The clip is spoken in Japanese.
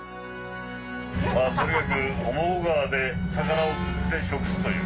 まあとにかく面河川で魚を釣って食すという。